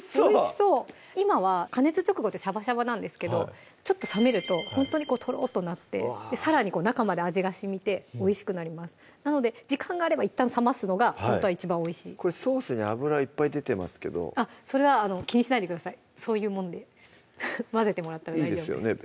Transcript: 今は加熱直後でシャバシャバなんですけどちょっと冷めるとほんとにトロッとなってさらに中まで味がしみておいしくなりますなので時間があればいったん冷ますのがほんとは一番おいしいこれソースに脂いっぱい出てますけどそれは気にしないでくださいそういうもんで混ぜてもらったら大丈夫ですいいですよね